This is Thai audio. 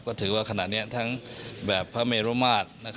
ก็ถือว่าขณะนี้ทั้งแบบพระเมรุมาตร